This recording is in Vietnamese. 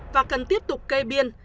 và cần tiếp tục kê biên